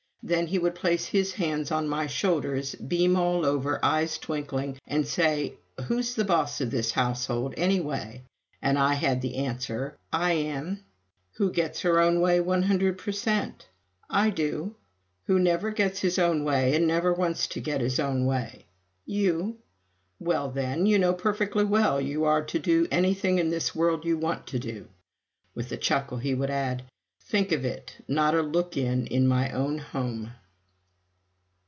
Then he would place his hands on my shoulders, beam all over, eyes twinkling, and say: "Who's boss of this household, anyway?" And I had to answer, "I am." "Who gets her own way one hundred per cent?" "I do." "Who never gets his own way and never wants to get his own way?" "You." "Well, then, you know perfectly well you are to do anything in this world you want to do." With a chuckle he would add, "Think of it not a look in in my own home!"